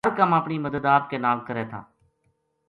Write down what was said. ہر کم اپنی مدد آپ کے نال کرے تھا